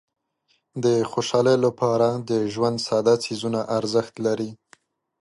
د خوشحالۍ لپاره د ژوند ساده څیزونه ارزښت لري.